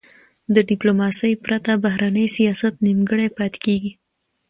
د ډیپلوماسی پرته، بهرنی سیاست نیمګړی پاته کېږي.